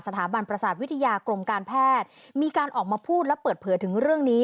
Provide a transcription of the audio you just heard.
สถาบันประสาทวิทยากรมการแพทย์มีการออกมาพูดและเปิดเผยถึงเรื่องนี้